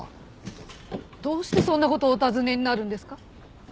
どうしてそんな事をお尋ねになるんですか？